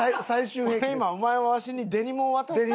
これ今お前はわしにデニムを渡したんか？